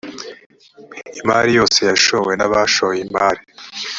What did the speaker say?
imari yose yashowe n abashoye imari